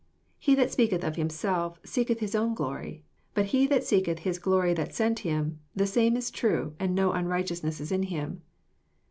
18 He that speaketh of himself seeketh his own glory: but he that seeketh his glory that sent him, the same is true, and no unrighteousness is in him.